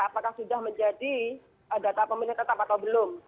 apakah sudah menjadi data pemilih tetap atau belum